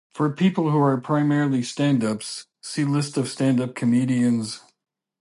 For people who are primarily stand-ups, see list of stand-up comedians.